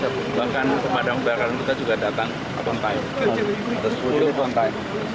bahkan pemadam kebakaran kita juga datang kebantai